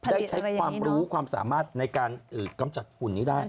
ได้ใช้ความรู้ความสามารถในการกำจัดฝุ่นนี้ได้